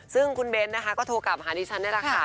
ซึ่งคุณเบ้นนะคะก็โทรกลับหาดิฉันนี่แหละค่ะ